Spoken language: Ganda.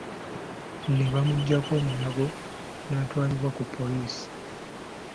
N’ebamuggyako omunyago n’atwalibwa ku poliisi.